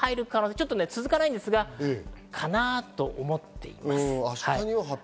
ちょっと続かないんですが、かなぁ？と思っています。